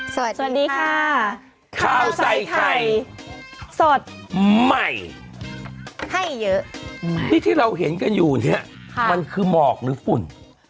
สวัสดีค่ะข้าวใส่ไข่สดใหม่ให้เยอะที่ที่เราเห็นกันอยู่เนี่ยมันคือหมอกหรือฝุ่น